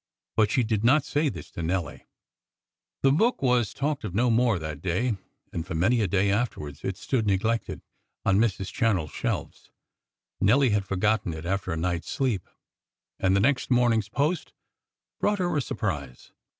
But she did not say this to Nelly. The book was talked of no more that day; and for many a day afterwards it stood neglected on Mrs. Channell's shelves. Nelly had forgotten it after a night's sleep, and the next morning's post brought her a surprise.